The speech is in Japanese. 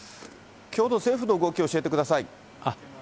きょうの政府の動きを教えてください。